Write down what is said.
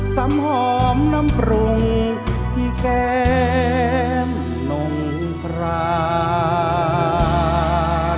สำหอมน้ำปรุงที่แก้มนงครา